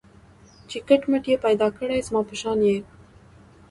چي کټ مټ یې پیدا کړی زما په شان یې